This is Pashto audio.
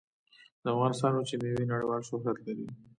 د افغانستان وچې میوې نړیوال شهرت لري